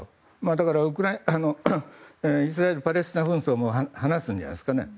だから、イスラエルパレスチナ紛争も話すんじゃないですかね。